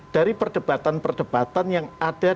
dari perdebatan perdebatan yang ada